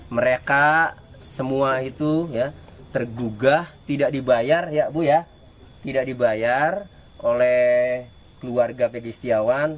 mereka semua itu tergugah tidak dibayar ya bu ya tidak dibayar oleh keluarga pegi setiawan